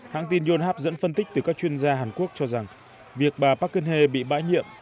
hãng tin yonhap dẫn phân tích từ các chuyên gia hàn quốc cho rằng việc bà park geun hye bị bãi nhiệm